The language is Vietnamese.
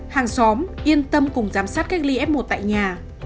hàng xóm yên tâm cùng giám sát cách ly f một tại nhà